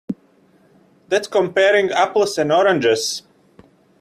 That's comparing apples and oranges.